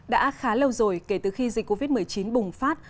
đã khá lâu rồi kể từ khi dịch covid một mươi chín bùng phát